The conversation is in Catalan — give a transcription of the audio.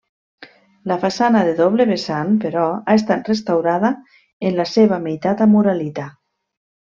La façana de doble vessant, però, ha estat restaurada en la seva meitat amb uralita.